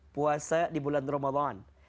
puasa di bulan ramadan